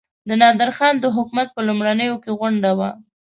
د نادرخان د حکومت په لومړیو کې غونډه وه.